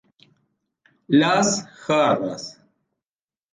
Las jarras.